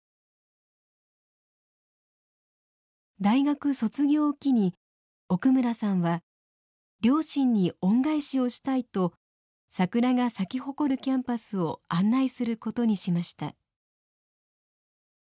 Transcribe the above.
大学卒業を機に奥村さんは両親に恩返しをしたいと桜が咲き誇るキャンパスを案内することにしました。